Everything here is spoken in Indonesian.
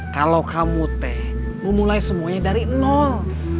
kalau kamu teh memulai semuanya dari nol